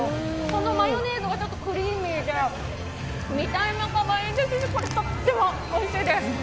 このマヨネーズがクリーミーで、見た目もかわいいんですがこれ、とってもおいしいです。